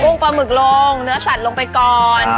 ปลาหมึกลงเนื้อสัตว์ลงไปก่อน